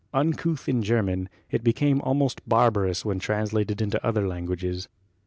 Un couth in German, it became almost barbarous when trans lated into other languages.